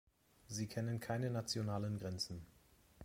Sie kennen keine nationalen Grenzen.